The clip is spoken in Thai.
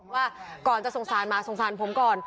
ว่าก่อนจะสงสารหมาสงสารผมก่อน